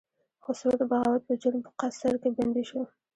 خسرو د بغاوت په جرم په قصر کې بندي شو.